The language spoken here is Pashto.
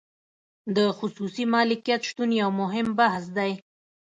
د خصوصي مالکیت شتون یو مهم بحث دی.